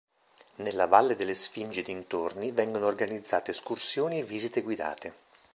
Nella Valle delle sfingi e dintorni vengono organizzate escursioni e visite guidate